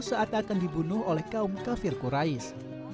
saat akan dibunuh oleh kaum kafir qurais